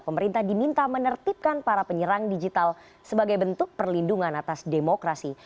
pemerintah diminta menertibkan para penyerang digital sebagai bentuk perlindungan atas demokrasi